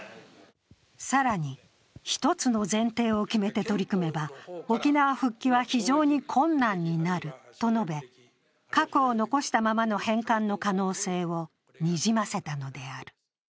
更に１つの前提を決めて取り組めば、沖縄復帰は非常に困難になると述べ、核を残したままの返還の可能性をにじませたのである。